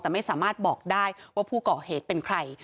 แต่ไม่สามารถบอกได้ว่าผู้ก่อเหตุเป็นใคร